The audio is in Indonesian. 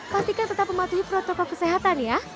pastikan tetap mematuhi protokol kesehatan ya